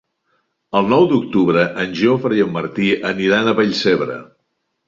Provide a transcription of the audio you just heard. El nou d'octubre en Jofre i en Martí aniran a Vallcebre.